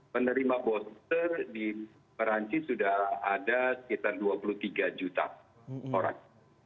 penerima booster di perancis sudah ada sekitar dua puluh tiga juta orang